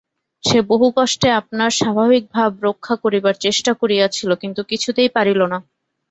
সে বহুকষ্টে আপনার স্বাভাবিক ভাব রক্ষা করিবার চেষ্টা করিয়াছিল, কিন্তু কিছুতেই পারিল না।